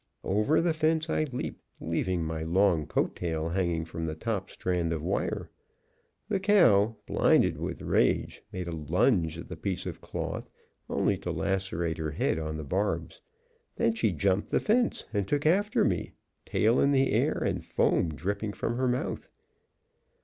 Over the fence I leaped, leaving my long coat tail hanging from the top strand of wire. The cow, blinded with rage, made a lunge at the piece of cloth only to lacerate her head on the barbs; then she jumped the fence and took after me, tail in air, and foam dripping from her mouth.